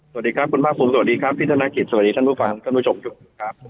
สวัสดีครับคุณภาคภูมิสวัสดีครับพี่ธนกิจสวัสดีท่านผู้ฟังท่านผู้ชมทุกครับ